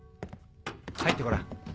入ってごらん。